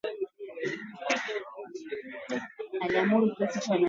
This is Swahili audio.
Wanga wa kiazi lishe hupandisha kiasi cha sukari polepole ukilinganisha na vyakula vingine